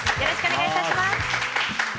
よろしくお願いします。